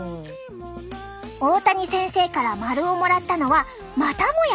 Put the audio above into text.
大谷先生からマルをもらったのはまたもや